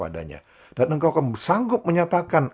dan engkau akan sanggup menyatakan